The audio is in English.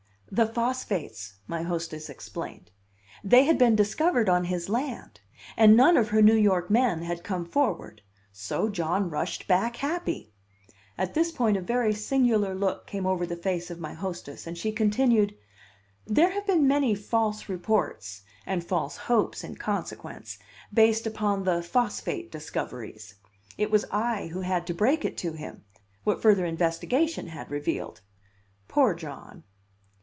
"The phosphates," my hostess explained. "They had been discovered on his land. And none of her New York men had come forward. So John rushed back happy." At this point a very singular look came over the face of my hostess, and she continued: "There have been many false reports (and false hopes in consequence) based upon the phosphate discoveries. It was I who had to break it to him what further investigation had revealed. Poor John!"